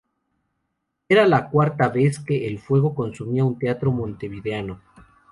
Era la cuarta vez que el fuego consumía un teatro montevideano.